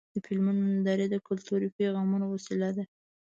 د فلمونو نندارې د کلتوري پیغامونو وسیله ده.